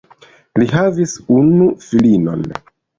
Li havis unu filinon.